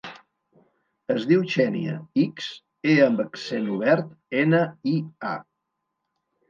Es diu Xènia: ics, e amb accent obert, ena, i, a.